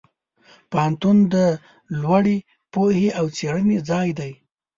پوهنتون د لوړې پوهې او څېړنې ځای دی.